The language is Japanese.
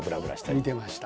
見てました。